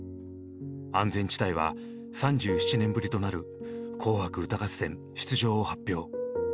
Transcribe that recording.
安全地帯は３７年ぶりとなる「紅白歌合戦」出場を発表。